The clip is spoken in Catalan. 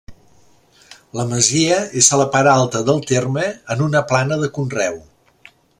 La masia és a la part alta del terme, en una plana de conreu.